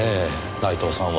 内藤さんは。